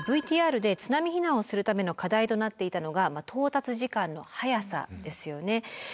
ＶＴＲで津波避難をするための課題となっていたのが到達時間の早さですよね。